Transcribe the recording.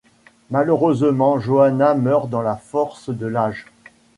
Malheureusement, Johanna meurt dans la force de l'âge.